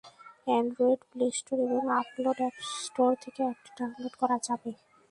Android play store এবং Apple app store থেকে অ্যাপটি ডাউনলোড করা যাবে।